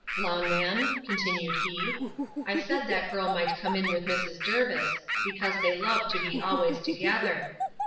Longman, continued he, I said that girl might come in with Mrs. Jervis, because they love to be always together.